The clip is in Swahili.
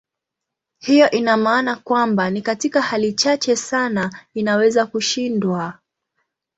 Hiyo ina maana kwamba ni katika hali chache sana inaweza kushindwa.